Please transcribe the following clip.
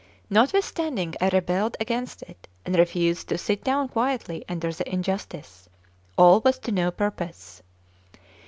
Notwithstanding I rebelled against it, and refused to sit down quietly under the injustice, all was to no purpose.